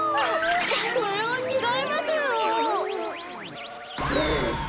それはちがいますよ！